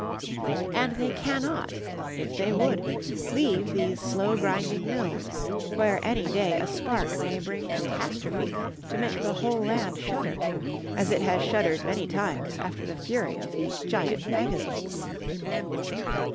And they cannot, if they would, leave these slow grinding mills, where any day a spark may bring catastrophe to make the whole land shudder, as it has shuddered many times after the fury of these giant magazines.